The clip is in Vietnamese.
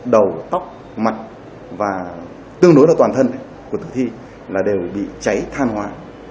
đầu tóc mặt và tương đối là toàn thân của tử thi là đều bị cháy than hoa